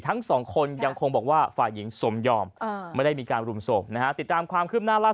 ดั่งสองคนยังคงบอกว่าฝ่ายหญิงซมยอมไม่ได้มีการลุมโสมนะติดตามความขึ้นน่ารัก